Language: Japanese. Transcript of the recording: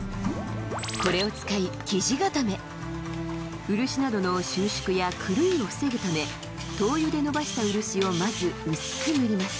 これを使い木地固め漆などの収縮や狂いを防ぐため灯油でのばした漆をまず薄く塗ります